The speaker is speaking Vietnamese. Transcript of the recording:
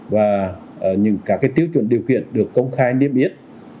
và những các tiêu chuẩn điều kiện được công khai niêm yết